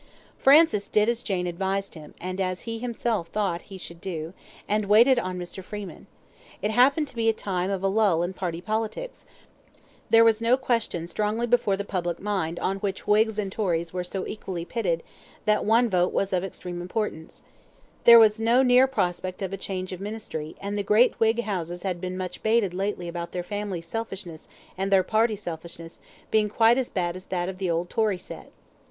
Francis did as Jane advised him, and as he himself thought he should do, and waited on Mr. Freeman. It happened to be a time of a lull in party politics; there was no question strongly before the public mind on which Whigs and Tories were so equally pitted that one vote was of extreme importance; there was no near prospect of a change of Ministry, and the great Whig houses had been much baited lately about their family selfishness and their party selfishness being quite as bad as that of the old Tory set.